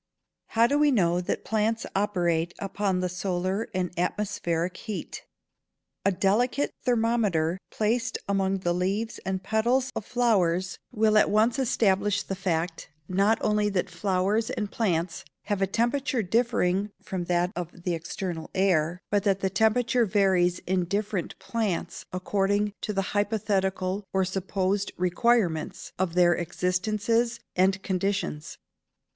226. How do we know that plants operate upon the solar and atmospheric heat? A delicate thermometer, placed among the leaves and petals of flowers, will at once establish the fact, not only that flowers and plants have a temperature differing from that of the external air, but that the temperature varies in different plants according to the hypothetical, or supposed requirements, of their existences and conditions.